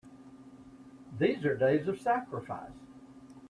These are days of sacrifice!